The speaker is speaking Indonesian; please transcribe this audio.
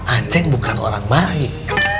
acing bukan orang baik